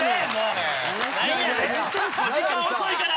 時間遅いから！